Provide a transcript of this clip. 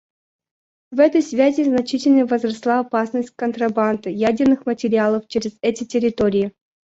В этой связи значительно возросла опасность контрабанды ядерных материалов через эти территории.